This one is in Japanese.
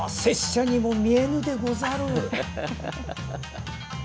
拙者にも見えぬでござる！